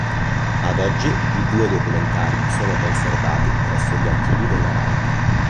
Ad oggi, i due documentari sono conservati presso gli archivi della Rai.